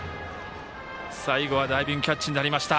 最後はダイビングキャッチになりました。